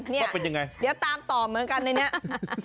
นี่เดี๋ยวตามต่อเหมือนกันในนี้ต้องเป็นยังไง